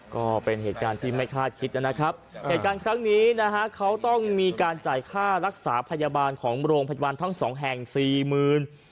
ก็เป็นเหตุการณ์ที่ไม่คาดคิดนะครับเหตุการณ์ครั้งนี้นะฮะเขาต้องมีการจ่ายค่ารักษาพยาบาลของโรงพยาบาลทั้งสองแห่งสี่หมื่น